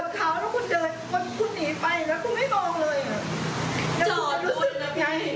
หรือถ้าเป็นพี่น้องคุณโดนแบบเนี้ยคุณชนเขาแล้วคุณเดินคุณหนีไปแล้วคุณไม่ห่องเลยอ่ะ